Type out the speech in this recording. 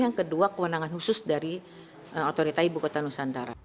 yang kedua kewenangan khusus dari otorita ibu kota nusantara